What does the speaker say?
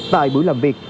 tại bữa làm việc